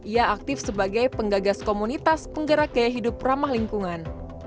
ia aktif sebagai penggagas komunitas penggerak gaya hidup ramah lingkungan